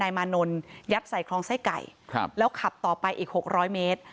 นายมานนยัดใส่ครองไส้ไก่ครับแล้วขับต่อไปอีกหกร้อยเมตร